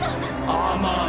甘い。